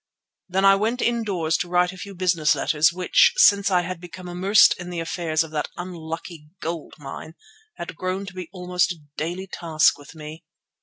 Then I went indoors to write a few business letters which, since I had become immersed in the affairs of that unlucky gold mine, had grown to be almost a daily task with me.